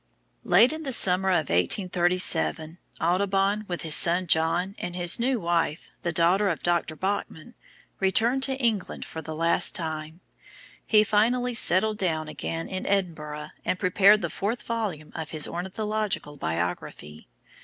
Late in the summer of 1837, Audubon, with his son John and his new wife the daughter of Dr. Bachman, returned to England for the last time. He finally settled down again in Edinburgh and prepared the fourth volume of his "Ornithological Biography."